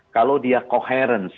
kalau dia koherensi